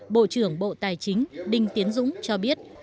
bộ trưởng bộ tài chính đinh tiến dũng cho biết